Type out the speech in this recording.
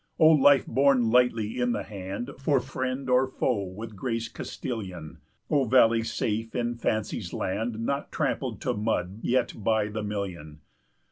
"O life borne lightly in the hand, For friend or foe with grace Castilian! O valley safe in Fancy's land, Not tramped to mud yet by the million!